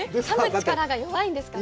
力が弱いんですかね。